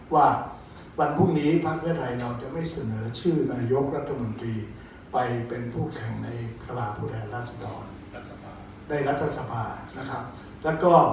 ว่าวันพรุ่งนี้ภาพเวชไทยเราจะไม่เสนอชื่อนายกรัฐมนตรีไปเป็นผู้แข่งในภาพแผ่นราชดรในรัฐสภานะครับ